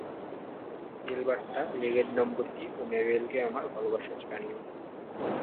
Alberta, লেগেট-দম্পতি ও ম্যাবেলকে আমার ভালবাসা জানিও।